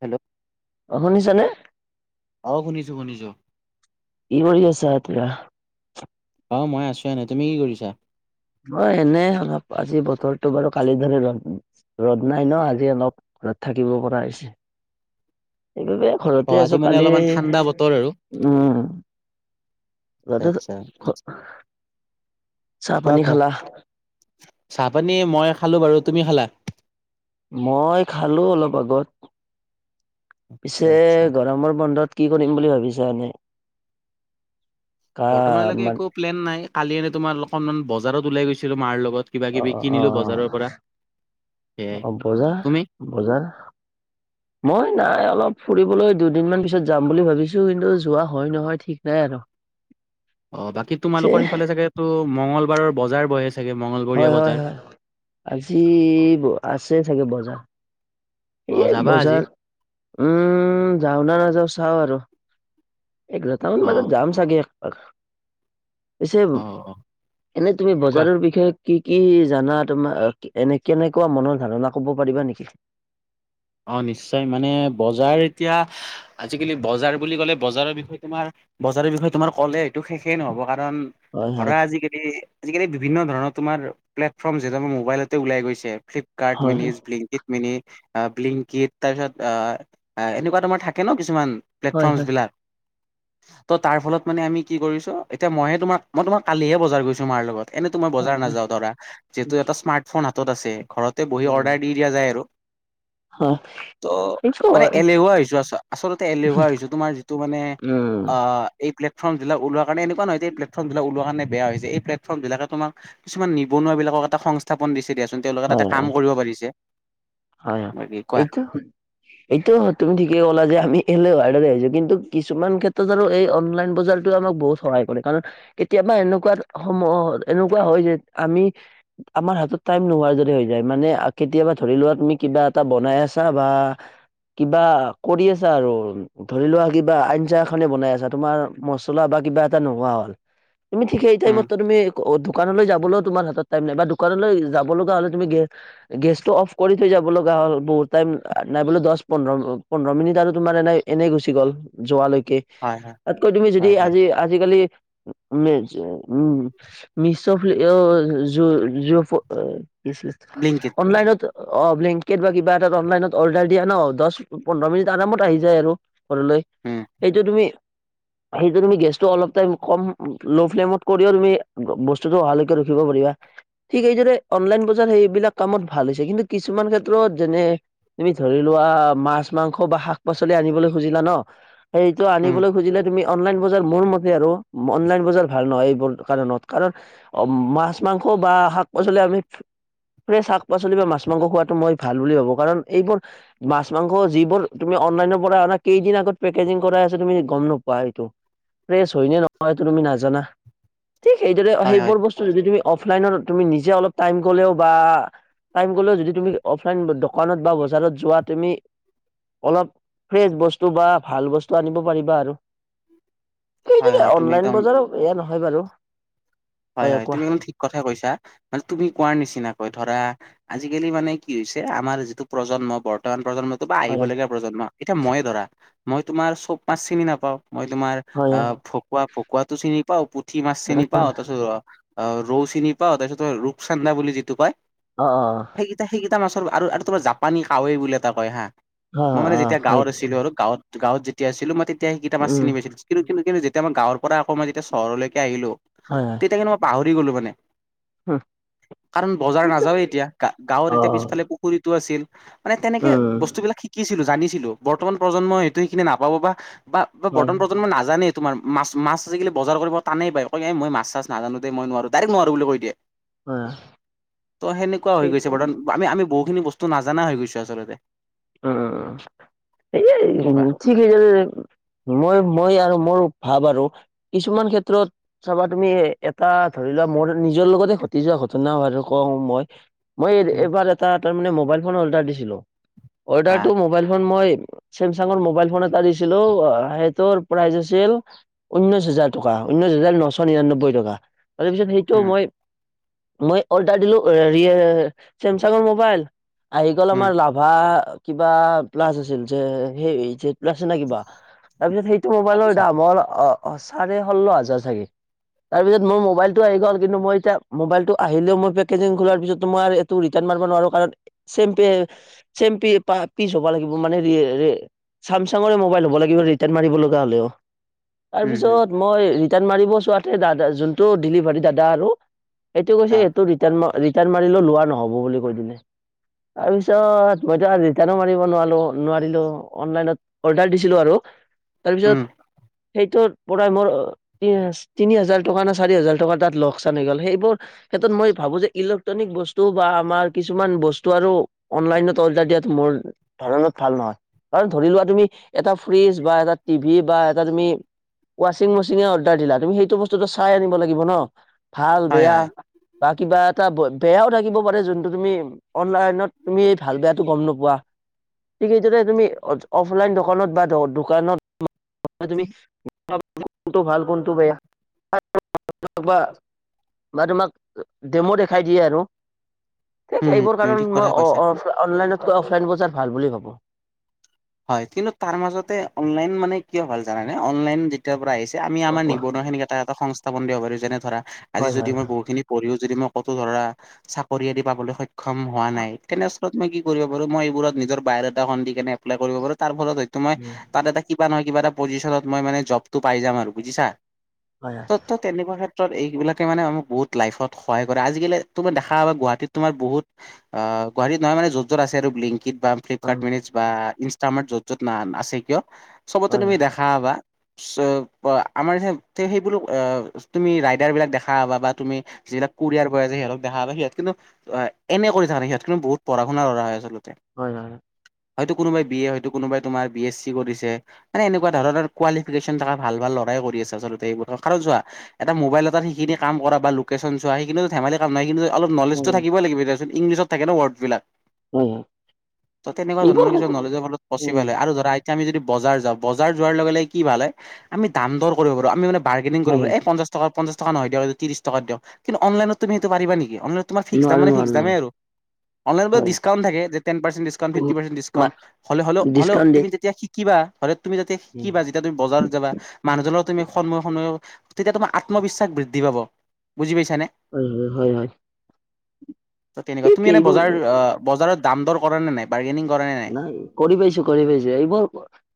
Hello. অ', শুনিছানে? অ', শুনিছোঁ শুনিছোঁ। কি কৰি এতিয়া? অ', মই আছোঁ এনে। তুমি কি কৰিছা? অ', এনে অলপ। আজি বতৰটো বাৰু কালিৰ দৰে ৰ'দ ৰ'দ নাই ন আজি অলপ ৰ'দ থাকিব পৰা হৈছে। সেইবাবে ঘৰতে অ', আজি আছো মানে কালি অলপমান ঠাণ্ডা বতৰ আৰু। উম ঘৰতে আচ্ছা। চাহ কোৱা, পানী কোৱা। খালা চাহ পানী মই খালোঁ বাৰু। তুমি খালা? মই খালোঁ অলপ আগত। আচ্ছা পিছে আচ্ছা গৰমৰ বন্ধত কি কৰিম বুলি ভাবিছা এনে? কা বৰ্তমানলৈকে মান একো প্লেন নাই। কালি এনে তোমাৰ অকনমান বজাৰত ওলাই গৈছিলো মাৰ লগত। কিবা অ কিবি অ কিনিলো বজাৰৰ পৰা। সেয়াই অ', বজাৰ তুমি বজাৰ মই নাই অলপ ফুৰিবলৈ দুদিনমান পিছত যাম বুলি ভাবিছোঁ, কিন্তু যোৱা হয় নহয় ঠিক নাই আৰু। অ', বাকী পিছে তোমালোকৰ সিফালে ছাগেতো মংগলবাৰৰ বজাৰ বহে ছা হয়, হয়, হয়, হয়। আজি অ আছে ছাগে বজাৰ। অ এই যাবা আজি বজাৰ উম যাওঁ নে নাযাওঁ চাওঁ আৰু। এঘাৰটা মান অ বজাত যাম ছাগে একপাক। পিছে, অ অ এনেই তুমি কোৱা বজাৰৰ বিষয়ে কি কি জানা? তোমাৰ এনে কেনেকুৱা মনৰ ধাৰণা ক'ব পাৰিবা নেকি? অ', নিশ্চয় মানে, বজাৰ এতিয়া আজিকালি বজাৰ বুলি ক'লে বজাৰৰ বিষয়ে তোমাৰ বজাৰৰ বিষয়ে তোমাৰ ক'লে এইটো শেষেই নহ'ব। কাৰণ হয় হয় ধৰা আজিকালি আজিকালি বিভিন্ন ধৰণৰ তোমাৰ প্লেটফৰ্ম যিকোনো মোবাইলতে ওলাই গৈছে। ফ্লিপকাৰ্ট হয় মিনিজ, ব্লিংকিট মিনি অ', ব্লিংকিট। তাৰপিছত অ' এনেকুৱা তোমাৰ থাকে ন কিছুমান হয় হয় প্লেটফৰ্মছবিলাক। তো তাৰফলত মানে আমি কি কৰিছোঁ? এতিয়া মইয়ে তোমাক মই তোমাৰ কালিহে বজাৰ গৈছোঁ মাৰ লগত। এনেটোমাৰ হয় বজাৰ হয় নাযাওঁ ধৰা, যিহেতু এটা স্মাৰ্টফোন হাতত আছে, ঘৰতে বহি হয় অৰ্ডাৰ দি দিয়া যায় আৰু। হয়। ত' সেইটো মানে হয় এলেহুৱা হৈছো আচ-আচলতে এলেহুৱা হৈছো তোমাৰ যিটো মানে উম অ' এই প্লেটফৰ্মবিলাক ওলোৱা কাৰণে, এনেকুৱা নহয় যে এই প্লেটফৰ্মবিলাক ওলোৱা কাৰণে বেয়া হৈছে, এই প্লেটফৰ্ম বিলাকে তোমাক কিছুমান নিবনুৱা বিলাকক এটা সংস্থাপন দিছে দিয়াচোন তেওঁলোকে হয় তাতে হয় কাম কৰিব পাৰিছে। হয় অ' বাকী কোৱা এইটো হয় এইটো হ তুমি ঠিকেই ক'লা যে আমি এলেহুৱা দৰে হৈছোঁ, কিন্তু কিছুমান ক্ষেত্ৰত আৰু এই অনলাইন বজাৰটোৱে আমাক বহুত সহায় কৰে, কাৰণ কেতিয়াবা বা এনেকুৱাত সময়ত এনেকুৱা হয় যে আমি আমাৰ হাতত টাইম নোহোৱাৰ দৰে হৈ যায় মানে এনে আ কেতিয়াবা ধৰি লোৱা তুমি কিবা এটা বনাই আছা বা কিবা কৰি আছা আৰু ধৰি লোৱা কিবা আঞ্জা এখনে বনাই আছা, তোমাৰ মছলা বা কিবা এটা নোহোৱা হ'ল। তুমি ঠিক সেই উম টাইমতো তুমি অত দোকানলৈ যাবলৈ তোমাৰ হাতত টাইম নাই বা দোকানলৈ যাব লগা হ'লে তুমি গে গেছটো অফ কৰি থৈ যাব লগা হ'ল বহুত টাইম নাই বোলো দহ পোন্ধৰ অ' পোন্ধৰ মিনিট আৰু তোমাৰ এনে এনেই গুচি গ'ল যোৱালৈকে হয় হয় তাতকৈ তুমি যদি হয় হয় আজি আজিকালি মিছ উম মিছ ফ্লি এ অ এ যু-যুফ দিছে। ব্লিংকিত অনলাইনত অ' ব্লেংকেট বা কিবা এটা অনলাইনত অৰ্ডাৰ দিয়া ন' দহ, পোন্ধৰ মিনিট আৰামত আহি যায় আৰু। ঘৰলৈ। উম এইটো তুমি সেইটো তুমি গেছটো অলপ টাইম কম, লো ফ্লেমত কৰিও তুমি বস্তুটো অহালৈকে ৰখিব পাৰিবা। ঠিক এইদৰে অনলাইন বজাৰ সেইবিলাক কামত ভাল হৈছে, কিন্তু কিছুমান ক্ষেত্ৰত যেনে তুমি ধৰি লোৱা মাছ মাংস বা শাক পাচলি আনিবলৈ খুজিলা ন সেইটো উম আনিবলৈ খুজিলে তুমি অনলাইন বজাৰ মোৰ মতে আৰু অনলাইন বজাৰ ভাল নহয় এইবোৰ কাৰণত, কাৰণ মাছ মাংস বা শাক পাচলি আমি ফ্ৰেছ শাক পাচলি বা মাছ মাছ মাংস খোৱাটো মই ভাল বুলি ভাবো কাৰণ এইবোৰ মাছ মাংস যিবোৰ তুমি অনলাইনৰ পৰা অনা কেইদিনা পেকেজিং কৰা আছে তুমি গম নোপোৱা এইটো, ফ্ৰেছ হয় নে নহয় এইটো তুমি নাজানা। ঠিক সেইদৰে হয় হয় সেইবোৰ বস্তু যদি অফলাইনত তুমি নিজে অলপ টাইম কলেও বা টাইম যদি তুমি অফলাইন দোকানত বা বজাৰত যোৱা তুমি অলপ ফ্ৰেচ বস্তু বা ভাল বস্তু আনিব পাৰিবা আৰু। হয় সেইদৰে হয় তুমি অনলাইন একদম বজাৰত এয়া নহয় বাৰু। হয় হয় তুমি মানে ঠিক কথাই কৈছা, মানে তুমি কোৱাৰ নিচিনাকৈ ধৰা আজিকালি মানে কি হৈছে আমাৰ যিটো প্ৰজন্ম বৰ্তমান প্ৰজন্মত বা আহিব হয় হয় লগীয়া প্ৰজন্ম এতিয়া মইে ধৰা মই তোমাৰ চব মাছ চিনি নাপাওঁ। মই তোমাৰ হয় হয় আহ ফকুৱা ফকুৱাটো চিনি পাওঁ পুঠি মাছ চিনি পাওঁ তাৰপিছত অ' ৰৌ চিনি পাওঁ তাৰপিছত ৰূপচান্দা বুলি যিটো কয় অ', অ', অ'। তা মাছৰ আৰু আৰু তোমাৰ জাপানী কাৱৈ বুলি এটা কয় হা, অ মই অ মানে অ যেতিয়া হয় গাঁৱত আছিলোঁ আৰু গাঁৱত গাঁৱত যেতিয়া আছিলোঁ মই তেতিয়া সেইটা মাছ উম চিনি পাইছিলোঁ কিন্ত কিন্তু কিন্তু যেতিয়া মই গাঁৱৰ পৰা আকৌ মই চহৰলৈকে আহিলোঁ হয় হয় তেতিয়া কিন্তু মই পাহৰি গলো মানে। উম কাৰণ বজাৰ নাযাওয়ে এতিয়া গা-গাঁৱৰ অ এতিয়া পিছফালে পুখুৰীটো আছিল মানে তেনেকে উম বস্তুবিলাক শিকিছিলোঁ জানিছিলো বৰ্তমান প্ৰজন্মই এইেটো শিখিনি নাপাব বা বা হয় বৰ্তমান প্ৰজন্ম নাজানেই তোমাৰ মাছ মাছ আজিকালি বজাৰ কৰিব টানেই পায়। কয় এ মই মাছ চাছ নাজানো দে মই নোৱাৰোঁ ডাইৰেক্ট নোৱাৰোঁ বুলি কৈ দিয়ে। হয় ত' সেনেকুৱা হৈ গৈছে বৰ্তন আমি আমি বহুত সেইখিনি বস্তু নাজানা হৈ গৈছে আচলতে। অ', অ', অ'। এই বা ঠিক যে মই মই আৰু মোৰ ভাব আৰু কিছুমান ক্ষেত্ৰত চাবা তুমি এটা ধৰি লোৱা মোৰ নিজৰ লগতে ঘটি যোৱা ঘটনা বাৰো কওঁ মই মই উম এইবাৰ এটা তাৰমানে মোবাইল ফ'ন অৰ্ডাৰ দিছিলোঁ। অৰ্ডাৰটো আহ মোবাইল ফ'ন মই চেমচাংৰ মোবাইল ফ'ন এটা দিছিলোঁ। আ, সেইটোৰ প্ৰাইচ আছিল ঊনৈশ হাজাৰ টকা। ঊনৈছ হাজাৰ নশ নিৰানব্বৈ টকা। তাৰপিছত সেইটো উম মই মই অৰ্ডাৰ দিলোঁ আ, ৰিয়ে, চেমচাংৰ মোবাইল। আহি গ'ল আমাৰ উম লাভা কিবা প্লাজ আছিল যে সেই যে প্লাচে নে কিবা, তাৰ পিছত সেইটো মোবাইলৰ আচ্ছা দাম হ'ল অ, অ, চাৰে ষোল্ল হাজাৰ চাগে। তাৰপিছত মোৰ মোবাইলটো আহি গ'ল। কিন্তু মই এতিয়া মোবাইলটো আহিলেও মই পেকেজিং খোলাৰ পিছতটো মই আৰু এটো ৰিটান মাৰবা নোৱাৰো কাৰণ চেম্পে চেম্পি পা পিচ হ'বা লাগিব মানে ৰিয়ে ৰে চামচাংৰে মোবাইল হ'ব লাগিব ৰিটাৰ্ণ মাৰিব লগা হ'লেও। উম উম তাৰপিছত মই ৰিটাৰ্ণ মাৰিব চোৱাতে দাদা যোনটো ডিলিভাৰি দাদা আৰু এইটো কৈছে আহ এইটো ৰিটাৰ্ণ ম, ৰি টাৰ্ণ মাৰিলেও লোৱা নহ'ব বুলি কৈ দিলে। তাৰপিছত মইতো আজি [unintelligible] মাৰিব নোৱালো নোৱাৰিলোঁ। অনলাইনত অৰ্ডাৰ দিছিলোঁ আৰু, তাৰপিছত উম সেইটোত পোৰা মোৰ তিনি হাজাৰ টকা না চাৰি হাজাৰ টকা তাত লগচান গ'ল। সেইবোৰ ক্ষেত্ৰত মই ভাবো যে ইলক্ট্ৰনিক বস্তু বা আমাৰ কিছুমান বস্তু আৰু অনলাইনত অৰ্ডাৰ দিয়াত মোৰ ধৰণত ভাল নহয়। কাৰণ ধৰি লোৱা তুমি এটা ফ্ৰিজ বা এটা টিভি বা এটা তুমি ৱাশ্বিং মেচিনে অৰ্ডাৰ দিলা তুমি সেইটো বস্তুটো চাই আনিব লাগিব ন'। ভাল হয় বেয়া। হয় বা কিবা এটা বেয়াও থাকিব পাৰে যোনটো তুমি অনলাইনত তুমি ভাল বেয়াটো গম নুপ পোৱা ঠিক সেইদৰে তুমি অথ, অফলাইন দকানত বা দ-দোকানত তুমি [inaudible] কোনটো ভাল কোনটো বেয়া। [inaudible] বা বা তোমাক ডেম' দেখাই দিয়ে আৰু। সে উম সেইবোৰ তুমি কাৰণ ঠিক কথা মই কৈছা। অ-অফ অনলাইনতকৈ অফলাইন বজাৰ ভাল বুলি ভাবো। হয় কিন্তু, তাৰ মাজতে অনলাইন মানে কিয় ভাল জানানে। অনলাইন যেতিয়াৰ পৰা আহিছ যে আমি অ আমাৰ কোৱা। নিবনুৱা খিনিক এটা এটা সংস্থাপন দিব পাৰো। যেনে ধৰা আজি হয় যদি হয় মই হয় বহুখিনি পৰিও যদি মই কতো ধৰা চাকৰি আদি পাবলৈ সক্ষম হোৱা নাই। তেনেচ তত, মই কি কৰিব পাৰো মই এইবোৰত নিজৰ বায় ডাটাখন দি কেনে এপ্লাই কৰিব পাৰো। তাৰ ফলত হয়তো মই তাত এটা কিবা নহয় কিবা এটা পজিশনত মই মানে জবটো পাই যাম আৰু বুজিছা। হয় হয় ত, ত, তেনেকুৱা শেত তত, এইবিলাকে মানে আমুক বহুত লাইফত সহায় কৰে। আজিকালি তুমি দেখা পাবা গুৱাহাটীত তোমাৰ বহুত আ গুৱাহাটীত নয় মানে য'ত য'ত আছে আৰু ব্লিং [unintelligible] অ ফ্লিপকাৰ্ট মিনিটছ বা ইনষ্টামাৰ্ত য'ত য'ত নান আছে কিয় চবতে হয় হয় তুমি দেখা পাবা [unintelligible] আমাৰ যে তে, সেইবোৰ আ, তুমি ৰাইডাৰ বিলাক দেখা পাবা বা তুমি যিবিলাক কোৰিয়াৰ বয় যে সিহঁতক দেখা পাবা সিহঁত কিন্তু এনে কৰি থাকা নাই সিহঁত কিন্তু বহুত পঢ়া শুনা লৰা হৈ আচলত। হয়, হয়। কোনোবাই বি এ হয় কোনোবাই তোমাৰ বি এছ চি কৰিছে। মানে এনেকুৱা ধৰণৰ কোৱালিফিকেচন থাকা ভাল ভাল ল'ৰাইও কৰি [unintelligible] আচলতে [unintelligible] কাৰণ চোৱা এটা মোবাইল এটাত সিশিনি কাম কৰা বা লোকেচন চোৱা সিকিনোটো ধেমালি কাম ন কিন্তু অলপ হয় নলেজটো হয় থাকিবই লাগিব দিয়াচোন ইংলিছত থাকে ন' ৱৰ্ড বিলাক। হয় ত' তেনেকুৱা এইবোৰ ধৰণৰ নলেজৰ ফলত উম পচিবেল হয়, আৰু ধৰা আইত তে আমি যদি বজাৰ যাওঁ বজাৰ যোৱাৰ লগে লগে কি ভাল হয় আমি দাম দৰ কৰিব পাৰো। আমি মানে বাৰগেনিং হয় কৰিব হয় এ, পঞ্চাছ টকা পঞ্চাছ টকা নহয় দিয়ক এইটো তিৰিছ টকাত দিয়ক। কিন্তু অনলাইনত তুমি সিটো পাৰিবা নেকি। অনলাইনত তোমাৰ ফিক্স দাম নোৱাৰো মানে ফিক্স নোৱাৰো দামে আৰু। অনলাইনত বুলে হয় ডিস্ককাউণ্ট থাকে, যে ten percent discount um, fifty percent discount. মা- হ'লে হ'লেও হ'লেও ডিছকাউণ্ট তুমি দিয়ে। তিতিয়া শিকিবা হ'লে তুমি যাতে শিকিবা যেতিয়া তুমি বজাৰত যাবা মানুহ [unintelligible] তুমি [unintelligible] তেতিয়া তোমাৰ আত্মবিশ্বাস বৃদ্ধি পাব বুজি পাইছ উম, উম, হয়, হয়। ত' তেনেকুৱা ঠিক তুমি এনে এইবোৰ বজাৰ আ, বজাৰত দাম দৰ কৰা নে নাই? বাৰ্গেনিং কৰাৰে নাই? কৰি পাইছোঁ কৰি পাইছোঁ। এইবোৰ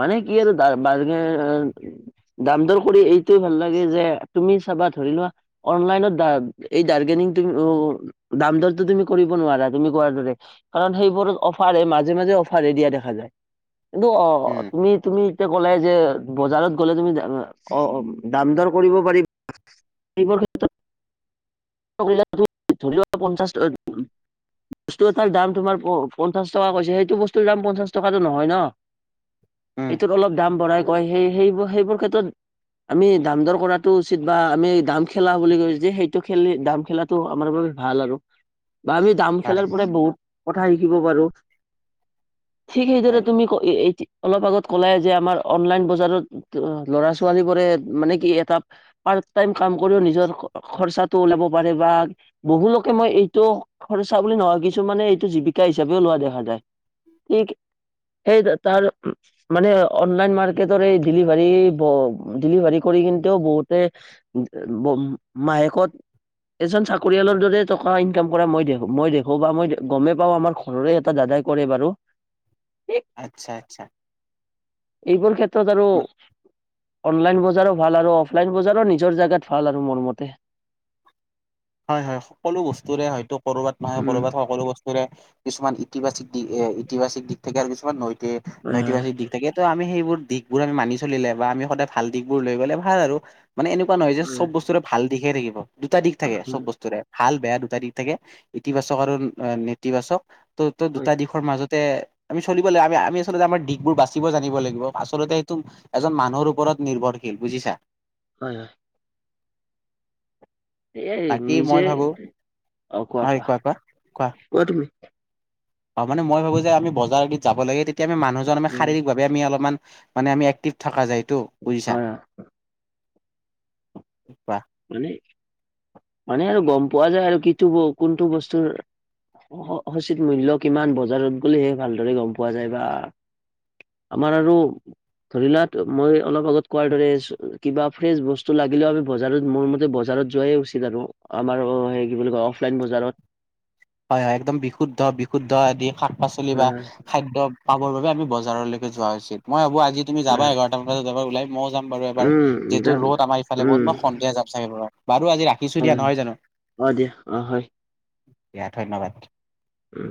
মানে কি আৰু দা [inaudible] দাম দৰ কৰি এইটোয়ে ভাল লাগে যে তুমি চাবা ধৰি লোৱা অনলাইনত ডাদ এই দাৰ্গেনি কিন্তু বান্দৰতো তুমি কৰিব নোৱাৰা, তুমি কোৱাৰ দৰে কাৰণ সেইবোৰ অফাৰ হেই মাজ মাজে মাজে অফাৰে দিয়া দেখা যায় কিন্তু অ' উম তুমি তুমি তে কলাই যে বজাৰত গ'লে তুমি অ' দাম দৰ কৰিব পাৰি সেইবোৰ ক্ষেত্ৰত ধৰি লোৱা, ধৰি লোৱা পঞ্চাশ বস্তু এটাৰ দাম তোমাৰ পঞ্চাশ টকা কৈছে, সেইটো বস্তুৰ দাম পঞ্চাশ টকাটো নহয় ন'। উম এইটোত অলপ দাম বঢ়াই কয় সেই-সেইবোৰ সেইবোৰ ক্ষেত্ৰত আমি দাম দৰ কৰাটো উচিত বা আমি দাম খেলা বুলি কয় যে সেইটো খেলি দাম খেলাটো আমাৰ ভাল আৰু। বা আমি দাম হয় খেলাৰপৰাই বহুত কথা শিকিব পাৰোঁ। ঠিক হেইদৰে হয় তুমি এই অলপ আগত ক'লাইযে আমাৰ অনলাইন বজাৰত ল'ৰা ছোৱালীবোৰে মানে কি এটা পাত পাৰ্ট টাইম কাম কৰিও নিজৰ খৰচাটো ওলাব পাৰে বা বহুলোকে মই এইটো খৰচা খৰচা বুলি নহয় কিছুানে এইটো জীৱিকা হিচাপেও লোৱা দেখা যায়। কি সেই তাৰ মানে অনলাইন মাৰ্কেটৰ এই ডেলিভাৰী ব ডেলিভাৰী কৰি কিন্তও বহুতে মাহেকত এজন চাকৰিয়ালৰদৰে টকা ইনকাম কৰা মই দেখোঁ, মই দেখোঁ বা মই গমে পাওঁ। আমাৰ ঘৰৰে এটা দাদাই কৰে বাৰু। আচ্ছা আচ্ছা। এইবোৰ ক্ষেত্ৰত আৰু অনলাইন বজাৰো ভাল আৰু অফলাইন বজাৰো নিজৰ জেগাত ভাল আৰু মোৰ মতে। হয় হয়। সকলো বস্তুৰে হয়তো ক'ৰবাত নহয় উম ক'ৰবাত সকলো বস্তুৰে কিছুমান ইতিবাচ এ, ইতিবাচিক দিশ থাকে আৰু কিছুমান নৈতিক হয় নৈতিবাচিক দিশ থাকে ত' আমি সেইবোৰ দিশবোৰ আমি মানি চলিলে বা আমি সদায় ভাল দিশবোৰ লৈ গ'লে ভাল আৰু। মানে এনেকুৱা নহয় যে হয় চব বস্তুৰে ভাল দিশহে থাকিব, দুটা দিশ থাকে চব হয় বস্তুৰে ভাল বেয়া দুটা দিশ থাকে। ইতিবাচক আৰু নেতিবাচক ত', ত' হয় হয় দুটা দিশৰ মাজত তে আমি চলিব লাগিব আমি আমি আচলতে আমাৰ দিশবোৰ বাচিব জানিব লাগিব। আচলতে সেইটো এজন মানুহৰ ওপৰত ৰত নিৰ্ভৰশীল বুজিছা? হয় হয়। এই বাকী মই নিজে, ভাবো অ' কোৱা কোৱা? কোৱা তুমি? অ' মানে মই ভাবোঁ যে আমি বজাৰ আদিত যাব লাগে তেতিয়া আমি মানুহজন আমি উম শাৰীৰিকভাৱে আমি অলপমান মানে আমি এক্টিভ থাকা যায়তো বুজিছা? হয় হয় কোৱা? মানে? মানে আৰু গম পোৱা যায় আৰু কিটো কোনটো বস্তুৰ সচিত মূল্য কিমান বজাৰত গ'লে সেই ভালদৰে গম পোৱা যায় বা আমাৰ আৰু ধৰি লোৱা মই অলপ আগত কোৱাৰ দৰে কিবা ফ্ৰেচ বস্তু লাগিলেও আমি বজ বজাৰত মোৰ মতে বজাৰত যোৱাই উচিত আৰু, আমাৰ অ', সি কি বুলি কয় অফলাইন বজাৰত। হয় হয়, একদম বিশুদ্ধ বিশুদ্ধ আদি শাক পাচলি বা হয় হয় খাদ্য তোমাৰ বাবে আমি বজাৰলৈকে যোৱা উচিত। মই ভাবোঁ আজি তুমি যাবা হয় এঘাৰটা মান বজাত যাবা ওলাই। ময়ো যাম বাৰু এবাৰ, উম যিহেতু যাম ৰ'দ আমাৰফালে বহুত, উম মই সন্ধিয়া যাম চাগে ঘৰত। বাৰু আজি ৰাখিছো দিয়া, হয় নহয় জানো, অ দিয়া অ হয় দিয়া ধন্যবাদ। উম।